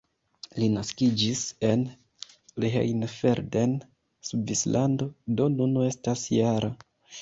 Li naskiĝis en Rheinfelden, Svislando, do nun estas -jara.